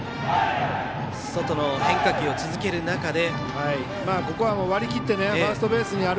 外の変化球を続ける中で。